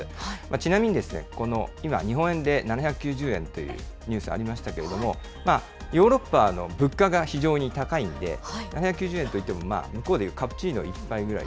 ちなみに、この今、日本円で７９０円というニュースありましたけれども、ヨーロッパの物価が非常に高いんで、７９０円といっても、向こうで言うカプチーノ１杯ぐらい。